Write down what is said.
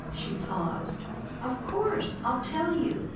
She paused. "Of course I'll tell you."